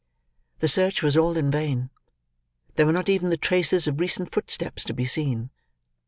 The search was all in vain. There were not even the traces of recent footsteps, to be seen.